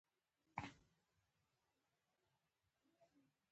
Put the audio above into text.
دغه کتاب د همدغو پوښتنو د ځوابولو لپاره ليکل شوی دی.